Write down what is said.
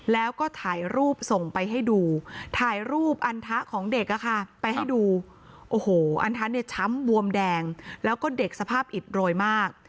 แล้วก็ถ่ายรูปส่งไปให้ดูถ่ายรูปอันทะของเด็กไปให้ดูโอ้โหอันทะเนี่ยช้ำบวมแดงแล้วก็เด็กสภาพอิดโรยมาก